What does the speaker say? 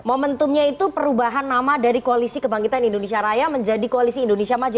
momentumnya itu perubahan nama dari koalisi kebangkitan indonesia raya menjadi koalisi indonesia maju